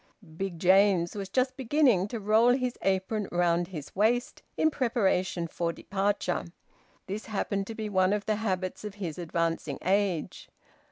Big James was just beginning to roll his apron round his waist, in preparation for departure. This happened to be one of the habits of his advancing age.